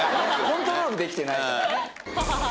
コントロールできてないからね